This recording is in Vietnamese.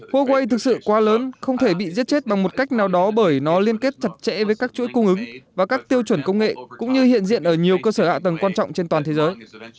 huawei thực sự quá lớn không thể bị giết chết bằng một cách nào đó bởi nó liên kết chặt chẽ với các chuỗi cung ứng và các tiêu chuẩn công nghệ cũng như hiện diện ở nhiều cơ sở hạ tầng quan trọng trên toàn thế giới